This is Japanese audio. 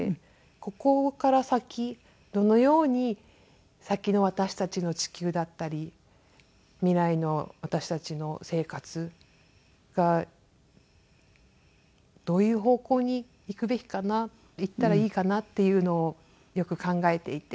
ここから先どのように先の私たちの地球だったり未来の私たちの生活がどういう方向に行くべきかな行ったらいいかなっていうのをよく考えていて。